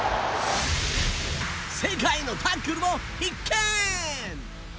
世界のタックルも必見。